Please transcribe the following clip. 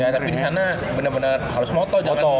tapi disana bener bener harus moto